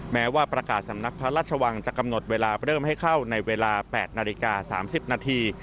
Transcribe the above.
แม้ว่าประกาศสำนักพระราชวังจะกำหนดเวลาเริ่มให้เข้าในเวลา๘นาฬิกา๓๐นาที